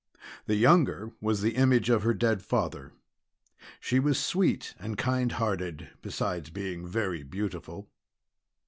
The younger was the image of her dead father. She was sweet and kind hearted, besides being very beautiful.